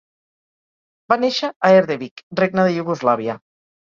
Va néixer a Erdevik, Regne de Iugoslàvia.